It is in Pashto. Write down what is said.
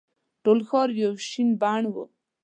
ټول ښار یو شین بڼ وو.